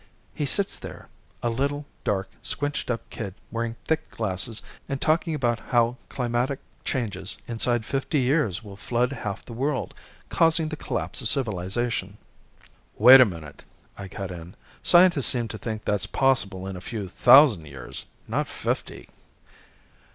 He sits there, a little, dark, squinched up kid wearing thick glasses and talking about how climatic changes inside fifty years will flood half the world, cause the collapse of civilization " "Wait a minute!" I cut in. "Scientists seem to think that's possible in a few thousand years. Not fifty."